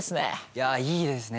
いやあいいですね。